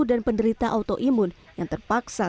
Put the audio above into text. dan penderita autoimun yang terpaksa